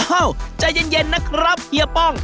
เอ้าวเฮียเย็นนะครับเฮียป้อง